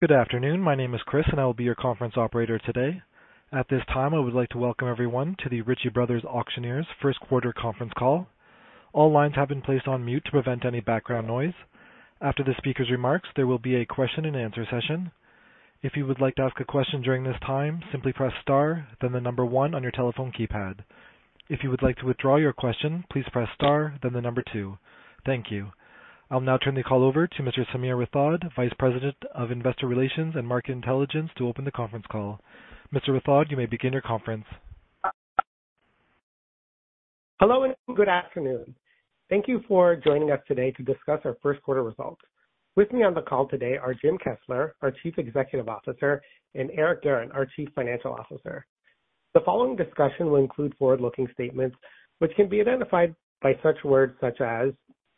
Good afternoon. My name is Chris, and I will be your conference operator today. At this time, I would like to welcome everyone to the Ritchie Bros. Auctioneers first quarter conference call. All lines have been placed on mute to prevent any background noise. After the speaker's remarks, there will be a question-and-answer session. If you would like to ask a question during this time, simply press star, then the number one on your telephone keypad. If you would like to withdraw your question, please press star, then the number two. Thank you. I'll now turn the call over to Mr. Sameer Rathod, Vice President of Investor Relations and Market Intelligence, to open the conference call. Mr. Rathod, you may begin your conference. Hello, and good afternoon. Thank you for joining us today to discuss our first quarter results. With me on the call today are Jim Kessler, our Chief Executive Officer, and Eric Guerin, our Chief Financial Officer. The following discussion will include forward-looking statements, which can be identified by such words such as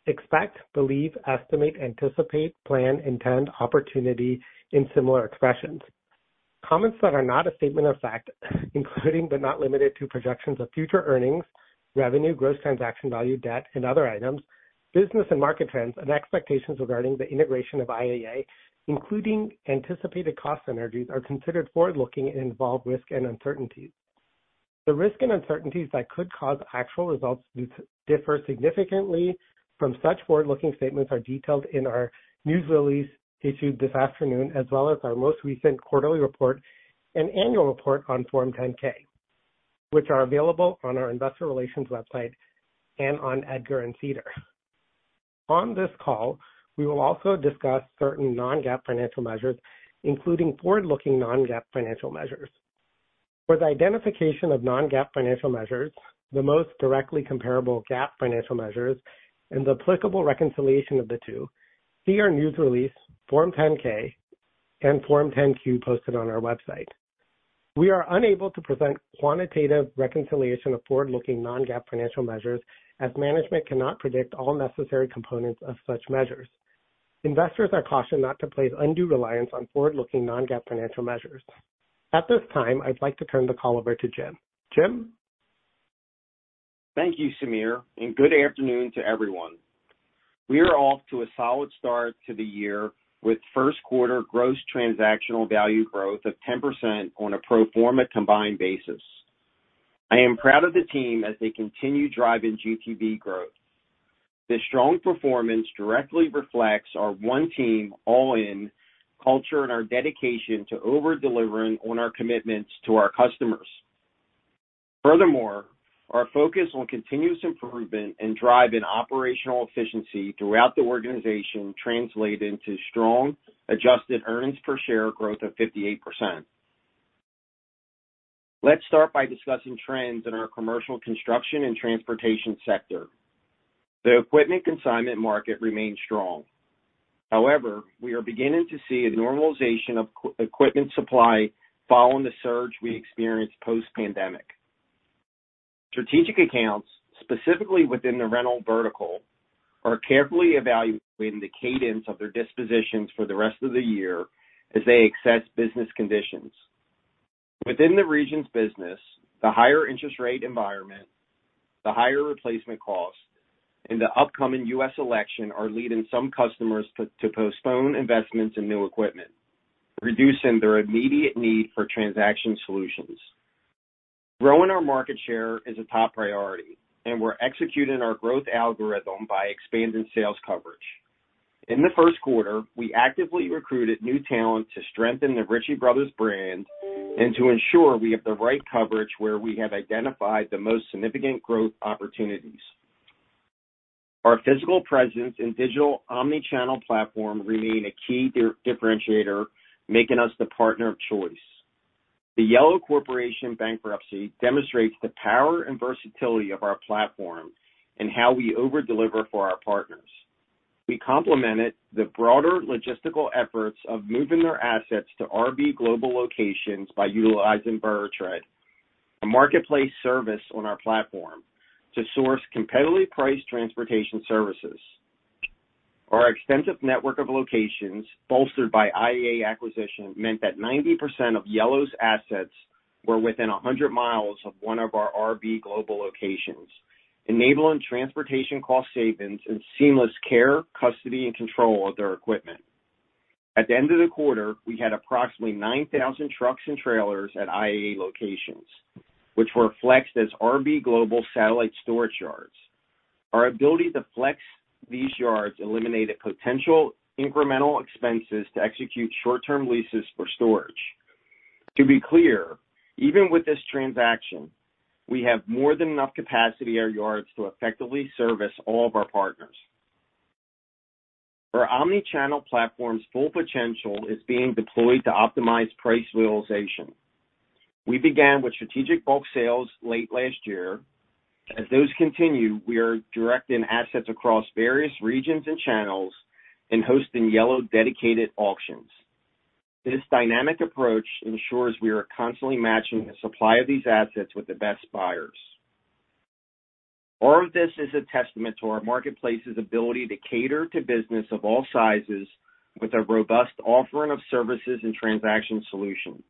expect, believe, estimate, anticipate, plan, intend, opportunity, and similar expressions. Comments that are not a statement of fact, including but not limited to projections of future earnings, revenue, gross transaction value, debt, and other items, business and market trends, and expectations regarding the integration of IAA, including anticipated cost synergies, are considered forward-looking and involve risk and uncertainties. The risk and uncertainties that could cause actual results to differ significantly from such forward-looking statements are detailed in our news release issued this afternoon, as well as our most recent quarterly report and annual report on Form 10-K, which are available on our investor relations website and on EDGAR and SEDAR. On this call, we will also discuss certain non-GAAP financial measures, including forward-looking non-GAAP financial measures. For the identification of non-GAAP financial measures, the most directly comparable GAAP financial measures, and the applicable reconciliation of the two, see our news release, Form 10-K and Form 10-Q, posted on our website. We are unable to present quantitative reconciliation of forward-looking non-GAAP financial measures, as management cannot predict all necessary components of such measures. Investors are cautioned not to place undue reliance on forward-looking non-GAAP financial measures. At this time, I'd like to turn the call over to Jim. Jim? Thank you, Sameer, and good afternoon to everyone. We are off to a solid start to the year with first quarter gross transactional value growth of 10% on a pro forma combined basis. I am proud of the team as they continue driving GTV growth. This strong performance directly reflects our one team all-in culture and our dedication to over-delivering on our commitments to our customers. Furthermore, our focus on continuous improvement and drive in operational efficiency throughout the organization translate into strong adjusted earnings per share growth of 58%. Let's start by discussing trends in our commercial, construction, and transportation sector. The equipment consignment market remains strong. However, we are beginning to see a normalization of equipment supply following the surge we experienced post-pandemic. Strategic accounts, specifically within the rental vertical, are carefully evaluating the cadence of their dispositions for the rest of the year as they assess business conditions. Within the regions business, the higher interest rate environment, the higher replacement cost, and the upcoming U.S. election are leading some customers to postpone investments in new equipment, reducing their immediate need for transaction solutions. Growing our market share is a top priority, and we're executing our growth algorithm by expanding sales coverage. In the first quarter, we actively recruited new talent to strengthen the Ritchie Brothers brand and to ensure we have the right coverage where we have identified the most significant growth opportunities. Our physical presence and digital omni-channel platform remain a key differentiator, making us the partner of choice. The Yellow Corporation bankruptcy demonstrates the power and versatility of our platform and how we over-deliver for our partners. We complemented the broader logistical efforts of moving their assets to RB Global locations by utilizing VeriTread, a marketplace service on our platform, to source competitively priced transportation services. Our extensive network of locations, bolstered by IAA acquisition, meant that 90% of Yellow's assets were within 100 miles of one of our RB Global locations, enabling transportation cost savings and seamless care, custody, and control of their equipment. At the end of the quarter, we had approximately 9,000 trucks and trailers at IAA locations, which were flexed as RB Global satellite storage yards. Our ability to flex these yards eliminated potential incremental expenses to execute short-term leases for storage. To be clear, even with this transaction, we have more than enough capacity at our yards to effectively service all of our partners. Our omnichannel platform's full potential is being deployed to optimize price realization. We began with strategic bulk sales late last year. As those continue, we are directing assets across various regions and channels and hosting Yellow-dedicated auctions. This dynamic approach ensures we are constantly matching the supply of these assets with the best buyers. All of this is a testament to our marketplace's ability to cater to businesses of all sizes with a robust offering of services and transaction solutions....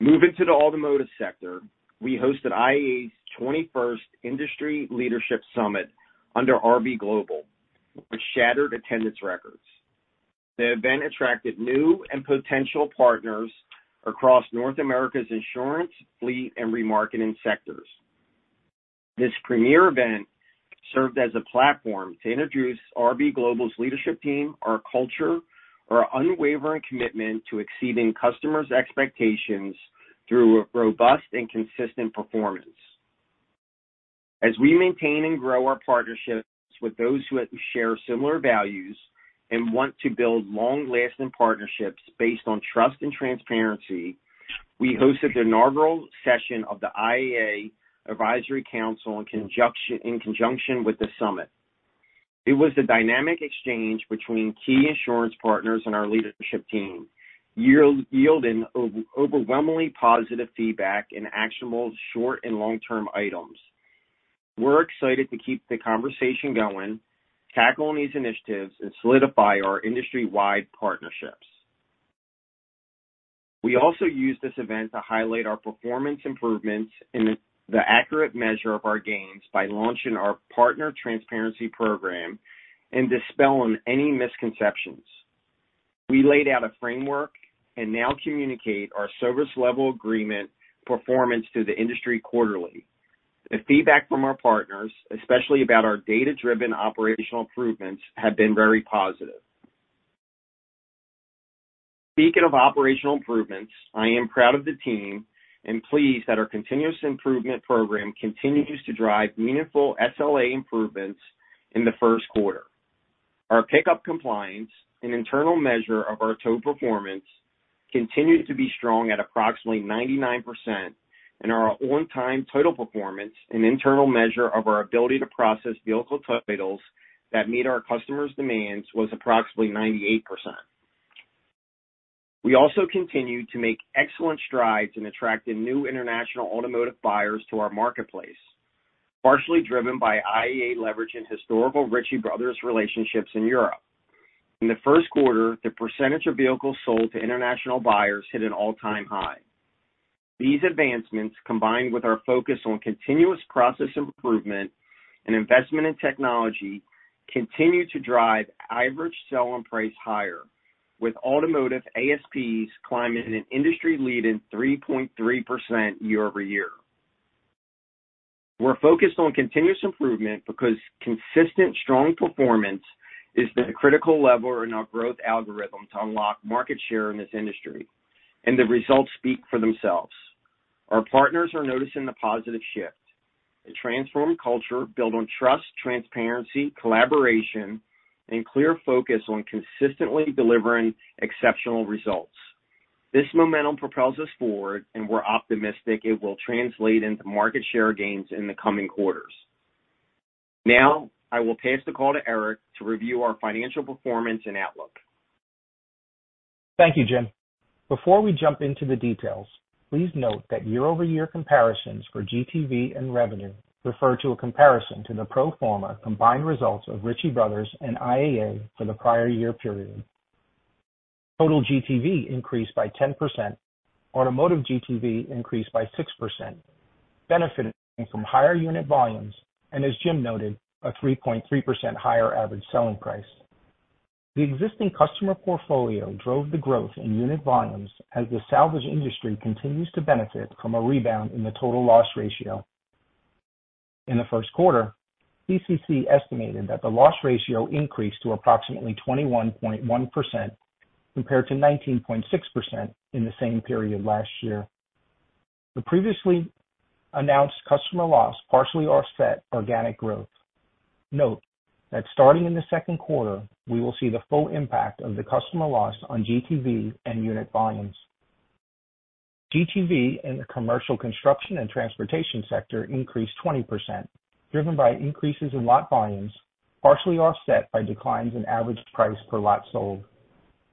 Moving to the automotive sector, we hosted IAA's 21st Industry Leadership Summit under RB Global, which shattered attendance records. The event attracted new and potential partners across North America's insurance, fleet, and remarketing sectors. This premier event served as a platform to introduce RB Global's leadership team, our culture, our unwavering commitment to exceeding customers' expectations through a robust and consistent performance. As we maintain and grow our partnerships with those who share similar values and want to build long-lasting partnerships based on trust and transparency, we hosted the inaugural session of the IAA Advisory Council in conjunction with the summit. It was a dynamic exchange between key insurance partners and our leadership team, yielding overwhelmingly positive feedback and actionable short- and long-term items. We're excited to keep the conversation going, tackle these initiatives, and solidify our industry-wide partnerships. We also used this event to highlight our performance improvements and the accurate measure of our gains by launching our Partner Transparency Program and dispelling any misconceptions. We laid out a framework and now communicate our service level agreement performance to the industry quarterly. The feedback from our partners, especially about our data-driven operational improvements, have been very positive. Speaking of operational improvements, I am proud of the team and pleased that our continuous improvement program continues to drive meaningful SLA improvements in the first quarter. Our pickup compliance and internal measure of our tow performance continues to be strong at approximately 99%, and our on-time title performance, an internal measure of our ability to process vehicle titles that meet our customers' demands, was approximately 98%. We also continued to make excellent strides in attracting new international automotive buyers to our marketplace, partially driven by IAA leveraging historical Ritchie Brothers relationships in Europe. In the first quarter, the percentage of vehicles sold to international buyers hit an all-time high. These advancements, combined with our focus on continuous process improvement and investment in technology, continue to drive average selling price higher, with automotive ASPs climbing at an industry-leading 3.3% year-over-year. We're focused on continuous improvement because consistent, strong performance is the critical lever in our growth algorithm to unlock market share in this industry, and the results speak for themselves. Our partners are noticing the positive shift, a transformed culture built on trust, transparency, collaboration, and clear focus on consistently delivering exceptional results. This momentum propels us forward, and we're optimistic it will translate into market share gains in the coming quarters. Now, I will pass the call to Eric to review our financial performance and outlook. Thank you, Jim. Before we jump into the details, please note that year-over-year comparisons for GTV and revenue refer to a comparison to the pro forma combined results of Ritchie Brothers and IAA for the prior year period. Total GTV increased by 10%, automotive GTV increased by 6%, benefiting from higher unit volumes and, as Jim noted, a 3.3% higher average selling price. The existing customer portfolio drove the growth in unit volumes as the salvage industry continues to benefit from a rebound in the total loss ratio. In the first quarter, CCC estimated that the loss ratio increased to approximately 21.1%, compared to 19.6% in the same period last year. The previously announced customer loss partially offset organic growth. Note that starting in the second quarter, we will see the full impact of the customer loss on GTV and unit volumes. GTV in the commercial construction and transportation sector increased 20%, driven by increases in lot volumes, partially offset by declines in average price per lot sold.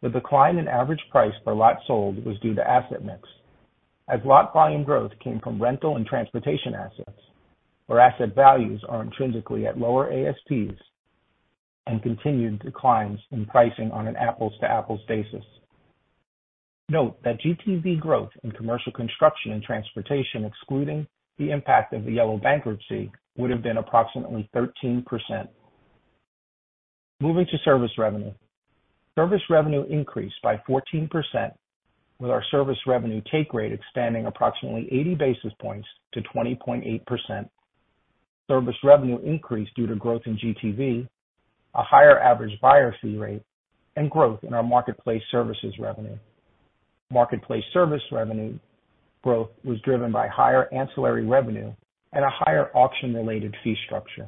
The decline in average price per lot sold was due to asset mix, as lot volume growth came from rental and transportation assets, where asset values are intrinsically at lower ASPs and continued declines in pricing on an apples-to-apples basis. Note that GTV growth in commercial construction and transportation, excluding the impact of the Yellow bankruptcy, would have been approximately 13%. Moving to service revenue. Service revenue increased by 14%, with our service revenue take rate expanding approximately 80 basis points to 20.8%. Service revenue increased due to growth in GTV, a higher average buyer fee rate, and growth in our marketplace services revenue. Marketplace service revenue growth was driven by higher ancillary revenue and a higher auction-related fee structure.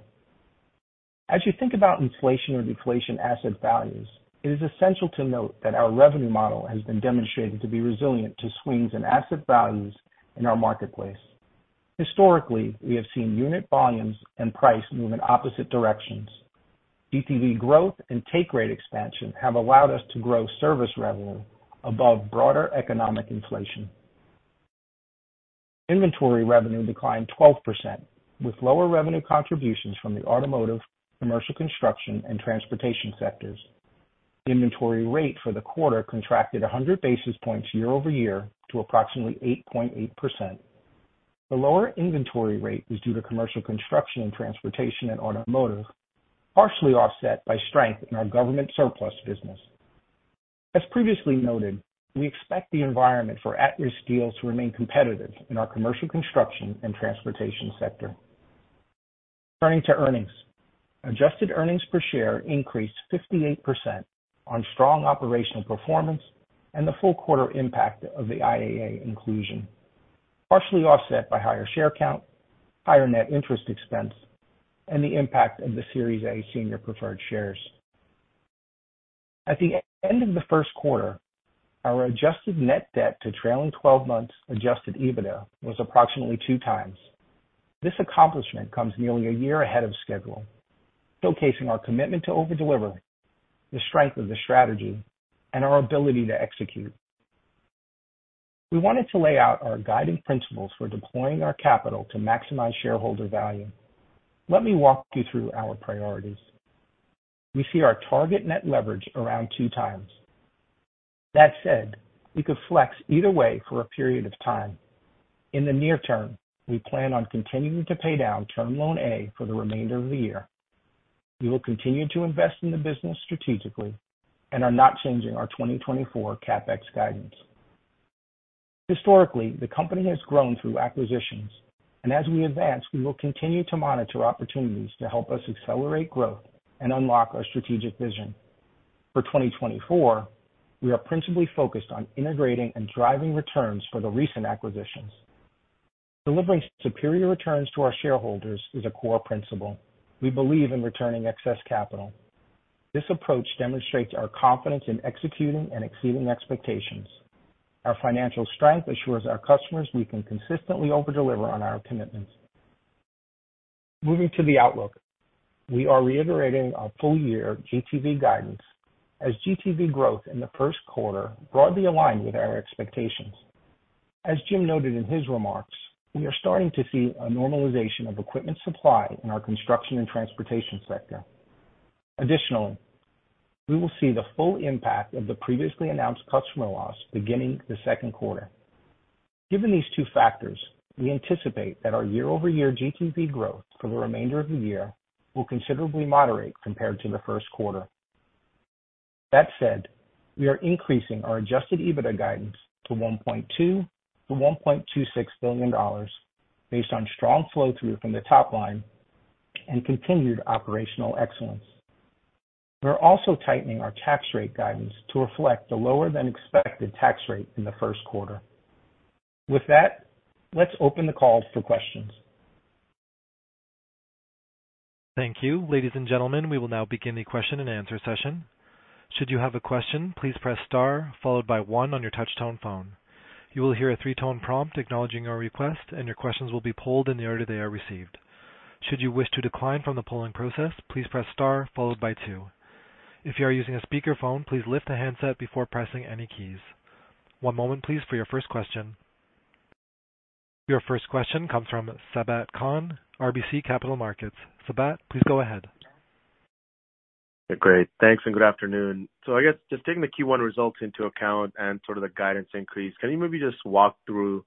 As you think about inflation or deflation asset values, it is essential to note that our revenue model has been demonstrated to be resilient to swings in asset values in our marketplace. Historically, we have seen unit volumes and price move in opposite directions. GTV growth and take rate expansion have allowed us to grow service revenue above broader economic inflation. Inventory revenue declined 12%, with lower revenue contributions from the automotive, commercial construction, and transportation sectors. Inventory rate for the quarter contracted 100 basis points year over year to approximately 8.8%. The lower inventory rate was due to commercial construction and transportation and automotive, partially offset by strength in our government surplus business. As previously noted, we expect the environment for at-risk deals to remain competitive in our commercial construction and transportation sector. Turning to earnings. Adjusted earnings per share increased 58% on strong operational performance and the full quarter impact of the IAA inclusion, partially offset by higher share count, higher net interest expense, and the impact of the Series A Senior Preferred Shares. At the end of the first quarter, our adjusted net debt to trailing twelve months adjusted EBITDA was approximately 2x. This accomplishment comes nearly a year ahead of schedule, showcasing our commitment to over-deliver, the strength of the strategy, and our ability to execute. We wanted to lay out our guiding principles for deploying our capital to maximize shareholder value. Let me walk you through our priorities. We see our target net leverage around 2 times. That said, we could flex either way for a period of time. In the near term, we plan on continuing to pay down Term Loan A for the remainder of the year. We will continue to invest in the business strategically and are not changing our 2024 CapEx guidance. Historically, the company has grown through acquisitions, and as we advance, we will continue to monitor opportunities to help us accelerate growth and unlock our strategic vision. For 2024, we are principally focused on integrating and driving returns for the recent acquisitions. Delivering superior returns to our shareholders is a core principle. We believe in returning excess capital. This approach demonstrates our confidence in executing and exceeding expectations. Our financial strength assures our customers we can consistently over-deliver on our commitments. Moving to the outlook, we are reiterating our full-year GTV guidance, as GTV growth in the first quarter broadly aligned with our expectations. As Jim noted in his remarks, we are starting to see a normalization of equipment supply in our construction and transportation sector. Additionally, we will see the full impact of the previously announced customer loss beginning the second quarter. Given these two factors, we anticipate that our year-over-year GTV growth for the remainder of the year will considerably moderate compared to the first quarter. That said, we are increasing our Adjusted EBITDA guidance to $1.2 billion-$1.26 billion based on strong flow-through from the top line and continued operational excellence. We're also tightening our tax rate guidance to reflect the lower-than-expected tax rate in the first quarter. With that, let's open the call for questions. Thank you. Ladies and gentlemen, we will now begin the question-and-answer session. Should you have a question, please press star followed by one on your touchtone phone. You will hear a three-tone prompt acknowledging your request, and your questions will be polled in the order they are received. Should you wish to decline from the polling process, please press star followed by two. If you are using a speakerphone, please lift the handset before pressing any keys. One moment, please, for your first question. Your first question comes from Sabahat Khan, RBC Capital Markets. Sabahat, please go ahead. Great. Thanks, and good afternoon. So I guess just taking the Q1 results into account and sort of the guidance increase, can you maybe just walk through,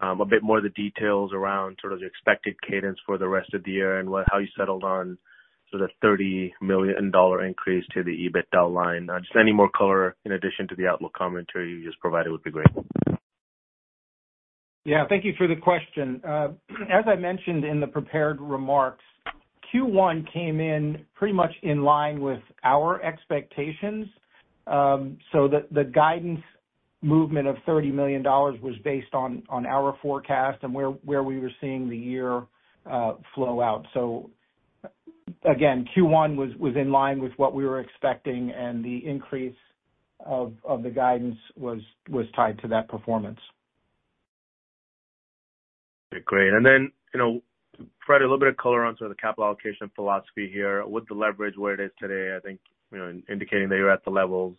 a bit more of the details around sort of the expected cadence for the rest of the year and what, how you settled on sort of the $30 million increase to the EBITDA line? Just any more color in addition to the outlook commentary you just provided would be great. Yeah. Thank you for the question. As I mentioned in the prepared remarks, Q1 came in pretty much in line with our expectations. So the guidance movement of $30 million was based on our forecast and where we were seeing the year flow out. So again, Q1 was in line with what we were expecting, and the increase of the guidance was tied to that performance. Okay, great. And then, you know, Eric, a little bit of color on sort of the capital allocation philosophy here. With the leverage where it is today, I think, you know, indicating that you're at the levels,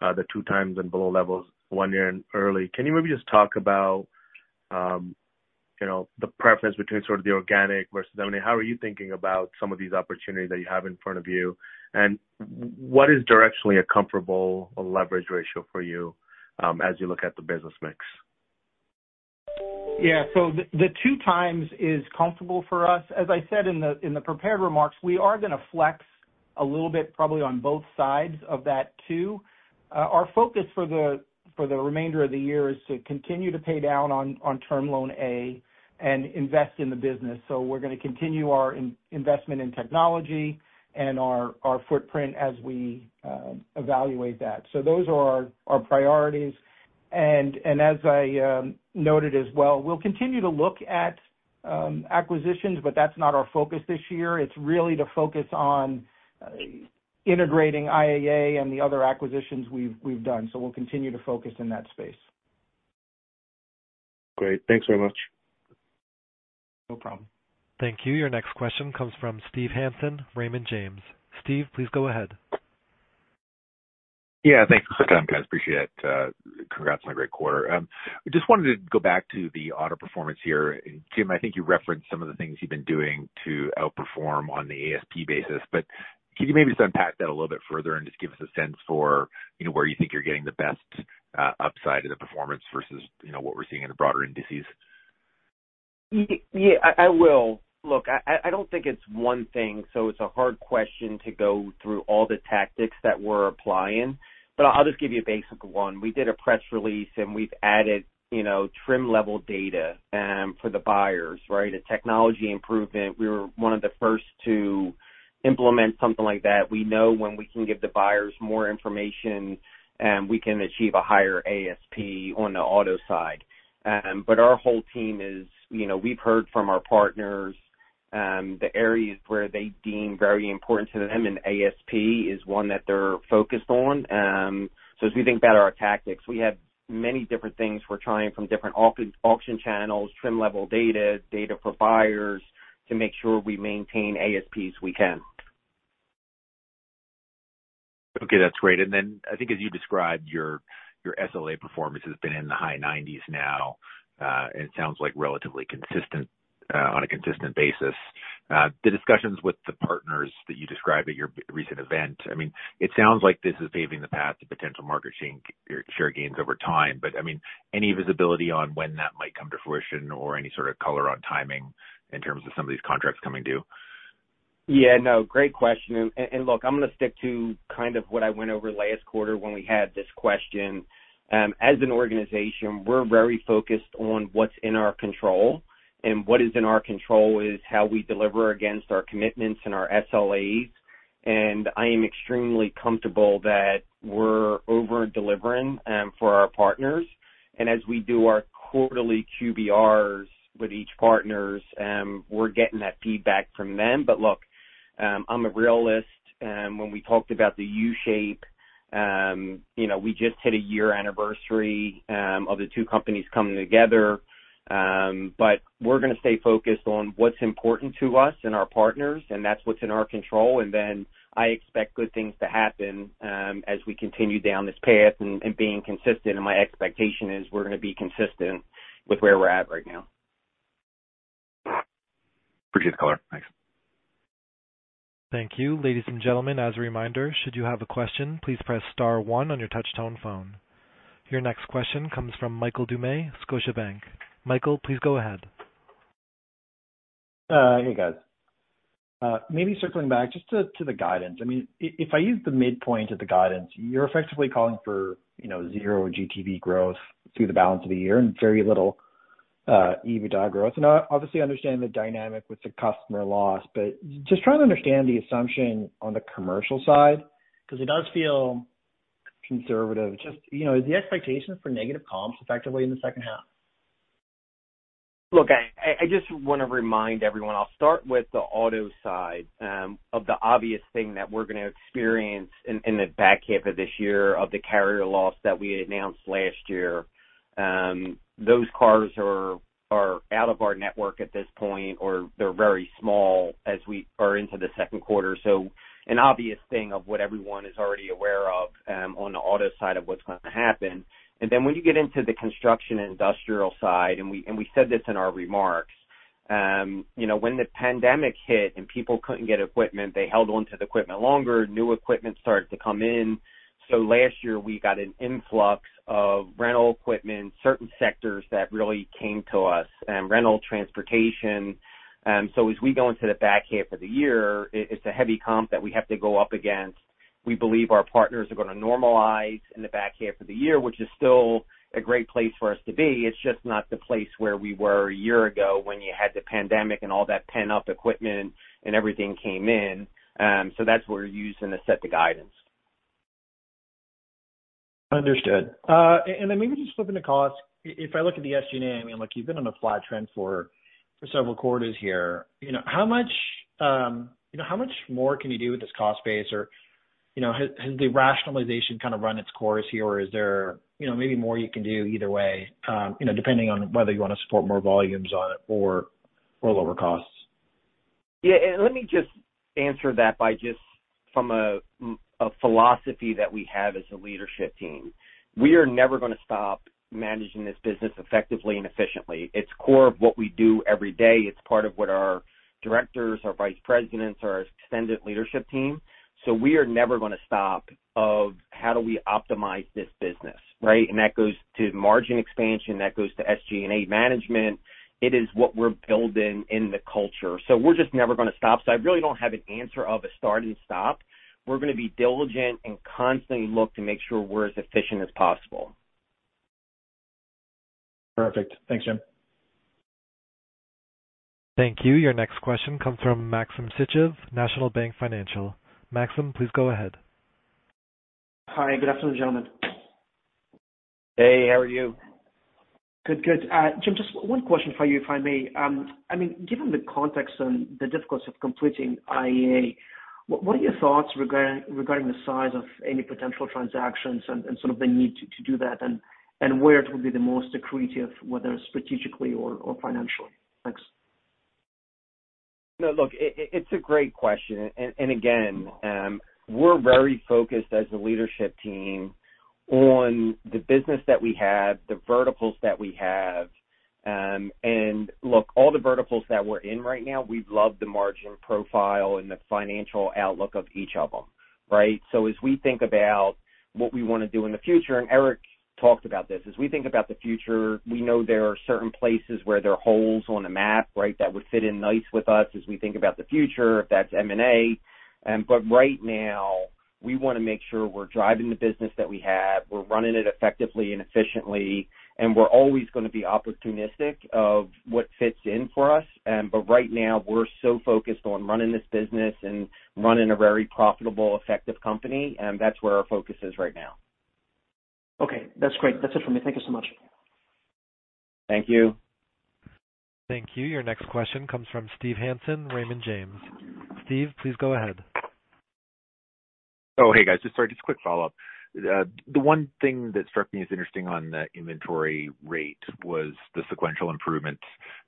the 2 times and below levels one year and early, can you maybe just talk about, you know, the preference between sort of the organic versus the -- how are you thinking about some of these opportunities that you have in front of you? And what is directionally a comfortable leverage ratio for you, as you look at the business mix? Yeah. So the 2x is comfortable for us. As I said in the prepared remarks, we are gonna flex a little bit, probably on both sides of that too. Our focus for the remainder of the year is to continue to pay down on Term Loan A and invest in the business. So we're gonna continue our investment in technology and our footprint as we evaluate that. So those are our priorities. And as I noted as well, we'll continue to look at acquisitions, but that's not our focus this year. It's really to focus on integrating IAA and the other acquisitions we've done. So we'll continue to focus in that space. Great. Thanks very much. No problem. Thank you. Your next question comes from Steve Hansen, Raymond James. Steve, please go ahead.... Yeah, thanks for the time, guys. Appreciate it. Congrats on a great quarter. I just wanted to go back to the auto performance here. Jim, I think you referenced some of the things you've been doing to outperform on the ASP basis, but can you maybe just unpack that a little bit further and just give us a sense for, you know, where you think you're getting the best upside of the performance versus, you know, what we're seeing in the broader indices? Yeah, I will. Look, I don't think it's one thing, so it's a hard question to go through all the tactics that we're applying, but I'll just give you a basic one. We did a press release, and we've added, you know, trim level data for the buyers, right? A technology improvement. We were one of the first to implement something like that. We know when we can give the buyers more information, we can achieve a higher ASP on the auto side. But our whole team is... You know, we've heard from our partners, the areas where they deem very important to them, and ASP is one that they're focused on. As we think about our tactics, we have many different things we're trying from different auction channels, trim level data, data providers, to make sure we maintain ASP as we can. Okay, that's great. And then I think as you described, your, your SLA performance has been in the high 90s now, and it sounds like relatively consistent, on a consistent basis. The discussions with the partners that you described at your recent event, I mean, it sounds like this is paving the path to potential market share gains over time. But, I mean, any visibility on when that might come to fruition or any sort of color on timing in terms of some of these contracts coming due? Yeah, no, great question. And look, I'm gonna stick to kind of what I went over last quarter when we had this question. As an organization, we're very focused on what's in our control, and what is in our control is how we deliver against our commitments and our SLAs. And I am extremely comfortable that we're over-delivering for our partners. And as we do our quarterly QBRs with each partners, we're getting that feedback from them. But look, I'm a realist. When we talked about the U shape, you know, we just hit a year anniversary of the two companies coming together. But we're gonna stay focused on what's important to us and our partners, and that's what's in our control. Then I expect good things to happen, as we continue down this path and being consistent, and my expectation is we're gonna be consistent with where we're at right now. Appreciate the color. Thanks. Thank you. Ladies and gentlemen, as a reminder, should you have a question, please press star one on your touchtone phone. Your next question comes from Michael Doumet, Scotiabank. Michael, please go ahead. Hey, guys. Maybe circling back just to the guidance. I mean, if I use the midpoint of the guidance, you're effectively calling for, you know, zero GTV growth through the balance of the year and very little EBITDA growth. I obviously understand the dynamic with the customer loss, but just trying to understand the assumption on the commercial side, 'cause it does feel conservative. Just, you know, are the expectations for negative comps effectively in the second half? Look, I just wanna remind everyone, I'll start with the auto side, of the obvious thing that we're gonna experience in the back half of this year of the carrier loss that we had announced last year. Those cars are out of our network at this point, or they're very small as we are into the second quarter. So an obvious thing of what everyone is already aware of, on the auto side of what's going to happen. And then when you get into the construction and industrial side, and we said this in our remarks, you know, when the pandemic hit and people couldn't get equipment, they held onto the equipment longer, new equipment started to come in. So last year, we got an influx of rental equipment, certain sectors that really came to us, rental, transportation. So as we go into the back half of the year, it's a heavy comp that we have to go up against. We believe our partners are gonna normalize in the back half of the year, which is still a great place for us to be. It's just not the place where we were a year ago when you had the pandemic and all that pent-up equipment and everything came in. So that's what we're using to set the guidance. Understood. And maybe just flipping the costs, if I look at the SG&A, I mean, look, you've been on a flat trend for several quarters here. You know, how much more can you do with this cost base? Or, you know, has the rationalization kind of run its course here, or is there, you know, maybe more you can do either way, you know, depending on whether you want to support more volumes on it or lower costs? Yeah, and let me just answer that by just from a philosophy that we have as a leadership team. We are never gonna stop managing this business effectively and efficiently. It's core of what we do every day. It's part of what our directors, our vice presidents, our extended leadership team. So we are never gonna stop of how do we optimize this business, right? And that goes to margin expansion, that goes to SG&A management. It is what we're building in the culture. So we're just never gonna stop. So I really don't have an answer of a start and stop. We're gonna be diligent and constantly look to make sure we're as efficient as possible. Perfect. Thanks, Jim. Thank you. Your next question comes from Maxim Sytchev, National Bank Financial. Maxim, please go ahead. Hi, good afternoon, gentlemen. Hey, how are you? Good, good. Jim, just one question for you, if I may. I mean, given the context and the difficulties of completing IAA, what are your thoughts regarding the size of any potential transactions and sort of the need to do that, and where it will be the most accretive, whether strategically or financially? Thanks.... No, look, it's a great question. And, and again, we're very focused as a leadership team on the business that we have, the verticals that we have. And look, all the verticals that we're in right now, we love the margin profile and the financial outlook of each of them, right? So as we think about what we wanna do in the future, and Eric talked about this, as we think about the future, we know there are certain places where there are holes on the map, right? That would fit in nice with us as we think about the future, if that's M&A. But right now, we wanna make sure we're driving the business that we have, we're running it effectively and efficiently, and we're always gonna be opportunistic of what fits in for us. But right now, we're so focused on running this business and running a very profitable, effective company, and that's where our focus is right now. Okay, that's great. That's it for me. Thank you so much. Thank you. Thank you. Your next question comes from Steve Hansen, Raymond James. Steve, please go ahead. Oh, hey, guys. Just sorry, just a quick follow-up. The one thing that struck me as interesting on the inventory rate was the sequential improvement.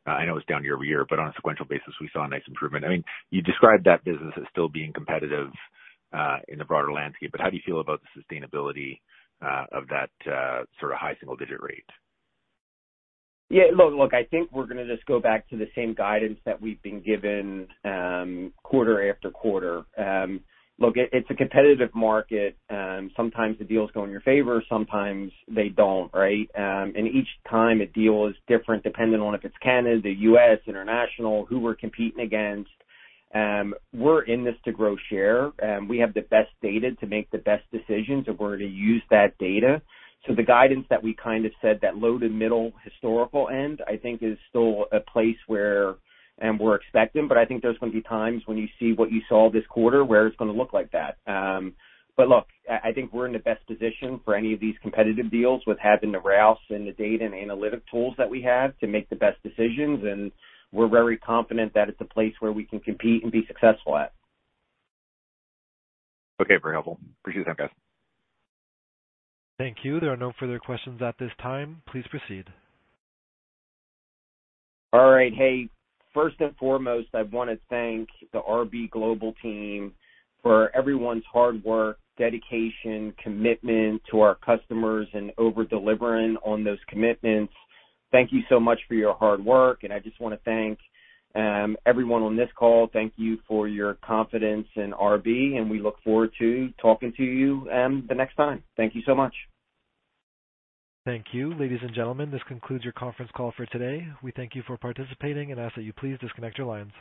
I know it's down year-over-year, but on a sequential basis, we saw a nice improvement. I mean, you described that business as still being competitive in the broader landscape, but how do you feel about the sustainability of that sort of high single digit rate? Yeah, look, I think we're gonna just go back to the same guidance that we've been given, quarter after quarter. Look, it's a competitive market. Sometimes the deals go in your favor, sometimes they don't, right? And each time a deal is different, depending on if it's Canada, the U.S., international, who we're competing against. We're in this to grow share, and we have the best data to make the best decisions, and we're gonna use that data. So the guidance that we kind of said, that low to middle historical end, I think is still a place where we're expecting. But I think there's going to be times when you see what you saw this quarter, where it's gonna look like that. But look, I think we're in the best position for any of these competitive deals with having the routes and the data and analytic tools that we have to make the best decisions, and we're very confident that it's a place where we can compete and be successful at. Okay, very helpful. Appreciate the time, guys. Thank you. There are no further questions at this time. Please proceed. All right. Hey, first and foremost, I wanna thank the RB Global team for everyone's hard work, dedication, commitment to our customers, and over-delivering on those commitments. Thank you so much for your hard work, and I just wanna thank everyone on this call. Thank you for your confidence in RB, and we look forward to talking to you the next time. Thank you so much. Thank you. Ladies and gentlemen, this concludes your conference call for today. We thank you for participating and ask that you please disconnect your lines.